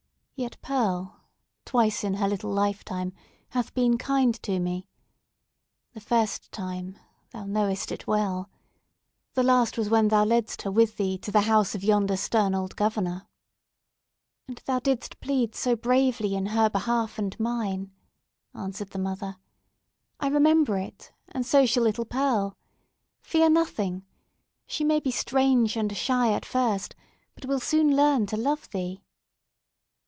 Yet Pearl, twice in her little lifetime, hath been kind to me! The first time—thou knowest it well! The last was when thou ledst her with thee to the house of yonder stern old Governor." "And thou didst plead so bravely in her behalf and mine!" answered the mother. "I remember it; and so shall little Pearl. Fear nothing. She may be strange and shy at first, but will soon learn to love thee!"